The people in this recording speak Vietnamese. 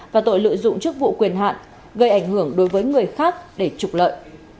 và tội lợi dụng chức vụ quyền hạn gây ảnh hưởng đối với người khác để trục lợi